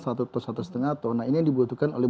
satu per satu setengah ton nah ini dibutuhkan oleh